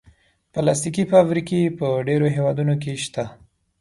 پلاستيکي فابریکې په ډېرو هېوادونو کې شته.